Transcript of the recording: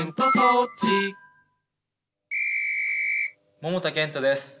桃田賢斗です。